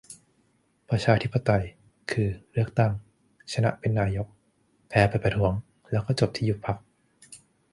ประชาธิปไตย คือ เลือกตั้ง ชนะเป็นนายก แพ้ไปประท้วง แล้วก็จบที่ยุบพรรค